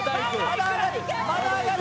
まだ上がる。